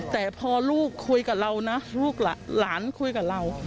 แต่พอลูกคุยกับเรานะลูกหลานคุยกับเรา